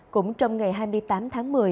cũng trong ngày hai mươi tám tháng một mươi